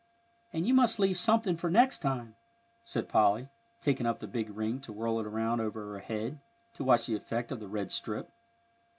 "And you must leave something for next time," said Polly, taking up the big ring to whirl it around over her head, to watch the effect of the red strip.